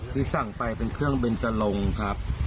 ที่สั่งไปเป็นเครื่องเบนจรงครับ